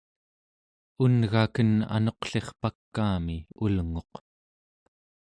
un'gaken anuqlirpakaami ulnguq